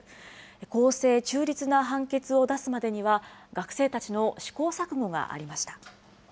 公正・中立な判決を出すまでには、学生たちの試行錯誤がありました。